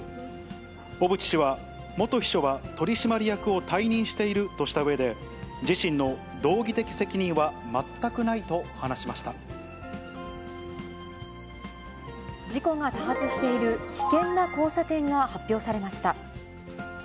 小渕氏は、元秘書は取締役を退任しているとしたうえで、自身の道義的責任は全くないと話事故が多発している危険な交差点が発表されました。